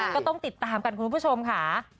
ก็ต้องติดตามกันคุณผู้ชมค่ะ